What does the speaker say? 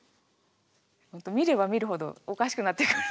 見れば見るほどおかしくなってくる。